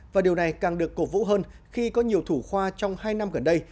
và điều này càng được cổ vũ hơn khi có nhiều thủ khoa trong hai năm gần đây